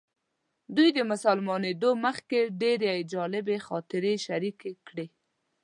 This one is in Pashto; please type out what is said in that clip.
دوی د مسلمانېدو مخکې ډېرې جالبې خاطرې شریکې کړې.